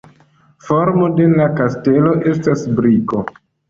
Formo de la kastelo estas briko.